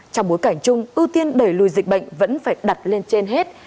trong bối cảnh chung ưu tiên đẩy lùi dịch bệnh vẫn phải đặt lên trên hết